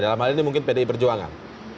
dalam hal ini mungkin pdi perjuangan